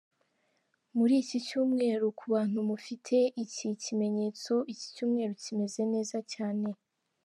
Muri iki cyumweru: ku bantu mufite iki kimenyetso, iki cyumweru kimeze neza cyane.